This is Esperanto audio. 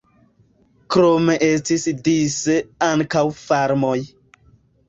Krome estis dise ankaŭ farmoj.